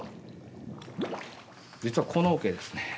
実はこの桶ですね